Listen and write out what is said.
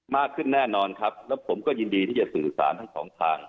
มากขึ้นแน่นอนครับแล้วผมก็ยินดีที่จะสื่อสารทั้งสองทาง